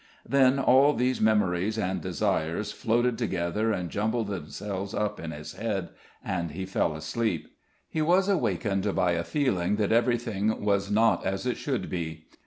Then all these memories and desires floated together and jumbled themselves up in his head, and he fell asleep. He was awakened by a feeling that everything was not as it should be.